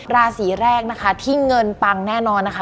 ราศีแรกนะคะที่เงินปังแน่นอนนะคะ